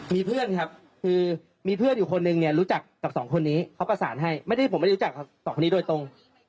มีเพื่อนครับคือมีเพื่อนอยู่คนนึงเนี่ยรู้จักกับสองคนนี้เขาประสานให้ไม่ได้ผมไม่ได้รู้จักกับสองคนนี้โดยตรง